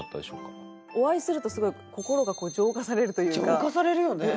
浄化されるよね。